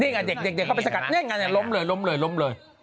นี่ไงเด็กเขาไปสกัดเนี่ยล้มเลย